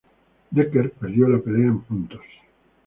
Dekker perdió la pelea en puntos.